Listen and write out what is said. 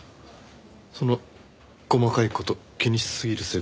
その細かい事を気にしすぎる性格